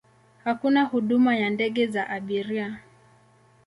Hakuna huduma ya ndege za abiria.